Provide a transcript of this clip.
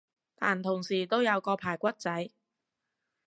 但同時都有個排骨仔